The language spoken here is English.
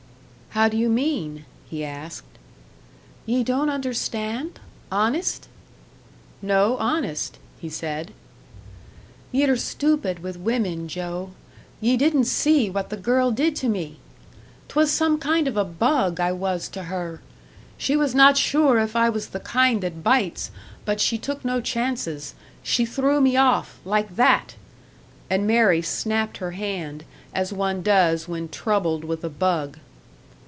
"How do you mean?" he asked. "Ye don't understand? Honest?" "No, honest," he said. "Ye're stupid with women, Joe. Ye didn't see what the girl did to me! 'Twas some kind of a bug I was to her. She was not sure if I was the kind that bites, but she took no chances she threw me off, like that." And Mary snapped her hand, as one does when troubled with a bug.